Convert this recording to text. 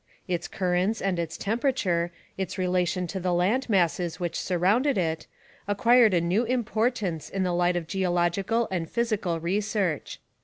Its currents and its temperature, its relation to the land masses which surrounded it, acquired a new importance in the light of geological and physical research.